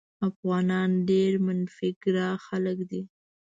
افغانان ډېر منفي ګرا خلک دي.